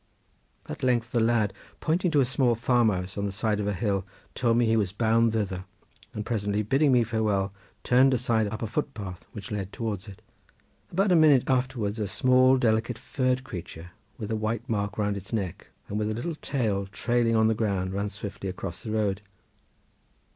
At length the lad pointing to a small farm house on the side of a hill told me he was bound thither, and presently bidding me farewell turned aside up a footpath which led towards it. About a minute afterwards a small delicate furred creature with a white mark round its neck and with a little tail trailing on the ground ran swiftly across the road.